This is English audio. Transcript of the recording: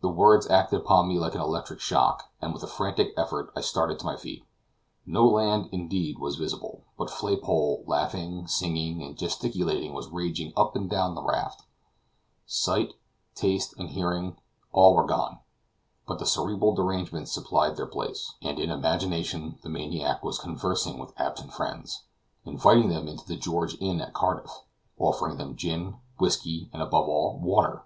The words acted upon me like an electric shock, and, with a frantic effort, I started to my feet. No land, indeed, was visible, but Flaypole, laughing, singing, and gesticulating, was raging up and down the raft. Sight, taste, and hearing all were gone; but the cerebral derangement supplied their place, and in imagination the maniac was conversing with absent friends, inviting them into the George Inn at Cardiff, offering them gin, whiskey, and, above all, water!